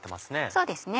そうですね